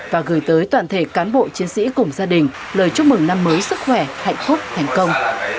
và gửi tới toàn thể cán bộ chiến sĩ cùng gia đình lời chúc mừng năm mới sức khỏe hạnh phúc thành công